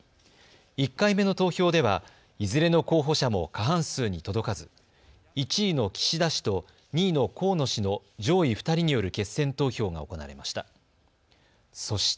１回目の投票では、いずれの候補者も過半数に届かず１位の岸田氏と２位の河野氏の上位２人による決選投票が行われました。